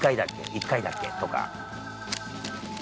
１回だっけ？とか。